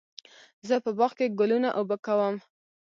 زه په باغ کې ګلونه اوبه کوم.